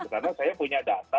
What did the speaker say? karena saya punya data